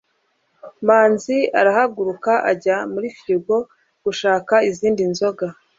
manzi arahaguruka ajya muri firigo gushaka izindi nzoga